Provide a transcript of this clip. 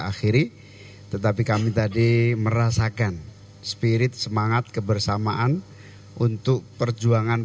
akhiri tetapi kami tadi merasakan spirit semangat kebersamaan untuk perjuangan